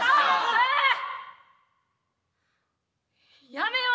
やめよう。